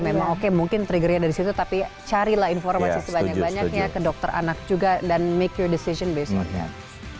memang oke mungkin triggernya dari situ tapi carilah informasi sebanyak banyaknya ke dokter anak juga dan make udicine based ot